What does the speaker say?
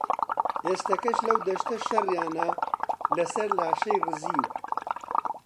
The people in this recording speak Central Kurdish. ئێستەکەش لەو دەشتە شەڕیانە لەسەر لاشەی ڕزیو